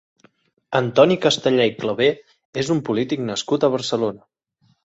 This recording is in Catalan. Antoni Castellà i Clavé és un polític nascut a Barcelona.